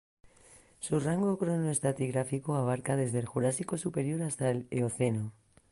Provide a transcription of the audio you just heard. Su rango cronoestratigráfico abarca desde el Jurásico superior hasta el Eoceno.